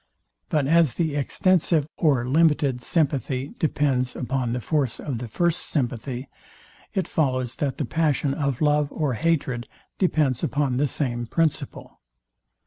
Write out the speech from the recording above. But as the extensive or limited sympathy depends upon the force of the first sympathy; it follows, that the passion of love or hatred depends upon the same principle.